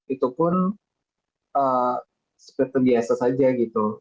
itu pun seperti biasa saja gitu